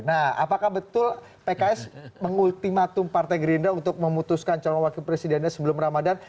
nah apakah betul pks mengultimatum partai gerindra untuk memutuskan calon wakil presidennya sebelum ramadhan